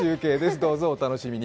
どうぞお楽しみに。